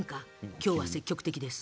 今日は積極的です。